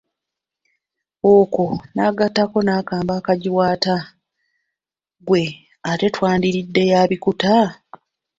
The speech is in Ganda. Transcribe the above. Okwo nagattako n'akambe akagiwaata, ggwe ate twandiridde ya bikuta?